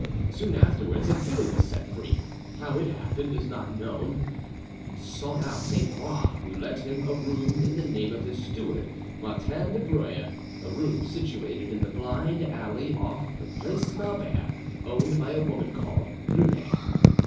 Soon afterwards Exili was set free—how it happened is not known—and sought out Sainte Croix, who let him a room in the name of his steward, Martin de Breuille, a room situated in the blind, alley off the Place Maubert, owned by a woman called Brunet.